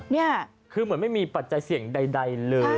นี่คือเหมือนไม่มีปัจจัยเสี่ยงใดเลย